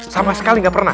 sama sekali gak pernah